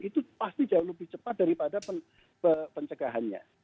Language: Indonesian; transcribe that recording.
itu pasti jauh lebih cepat daripada pencegahannya